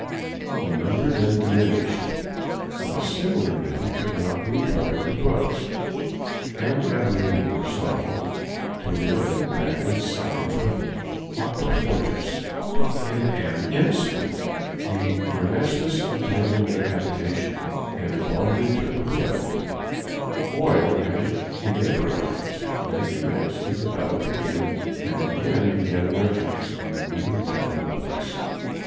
The number then diminished. But a similar method could not be employed for books. M. Fabbroni resolved to anoint the back and sides with aquafortis; in an instant the dermestes abandoned their habitation, and wandered to the wood; the oil having evaporized they commenced to develop again, and again began their attacks on the newly bound books.